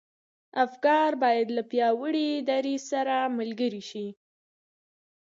افکار بايد له پياوړي دريځ سره ملګري شي.